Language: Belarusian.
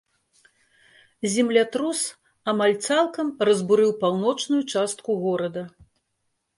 Землятрус амаль цалкам разбурыў паўночную частку горада.